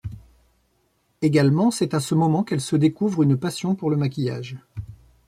Également, c'est à ce moment qu'elle se découvre une passion pour le maquillage.